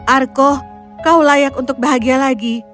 arko kau layak untuk bahagia lagi